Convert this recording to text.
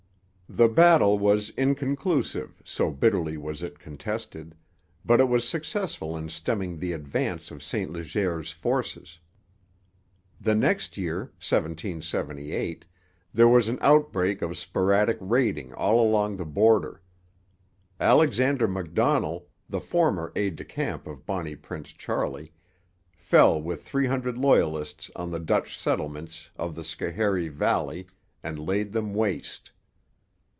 The battle was inconclusive, so bitterly was it contested; but it was successful in stemming the advance of St Leger's forces. The next year (1778) there was an outbreak of sporadic raiding all along the border. Alexander Macdonell, the former aide de camp of Bonnie Prince Charlie, fell with three hundred Loyalists on the Dutch settlements of the Schoharie valley and laid them waste.